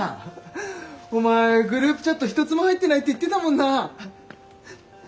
お前グループチャット一つも入ってないって言ってたもんな。